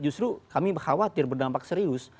justru kami khawatir berdampak serius